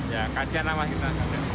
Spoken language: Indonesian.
ya kajian lah mah kita